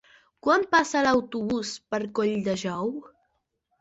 Quan passa l'autobús per Colldejou?